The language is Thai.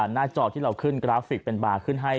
หน้าจอที่เราขึ้นกราฟิกเป็นบาร์ขึ้นให้